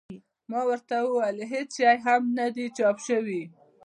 ما ورته وویل هېڅ شی هم نه دي چاپ شوي.